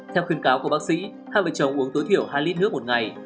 theo khuyên cáo của bác sĩ hai vợ chồng uống tối thiểu hai lít nước một ngày